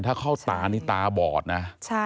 ถ้าเข้าตานี่ตาบอดนะ